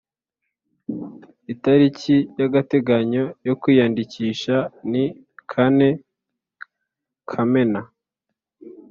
Itariki y agateganyo yo kwiyandikisha ni kane kamena